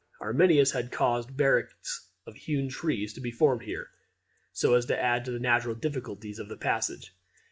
Arminius had caused barricades of hewn trees to be formed here, so as to add to the natural difficulties of the passage.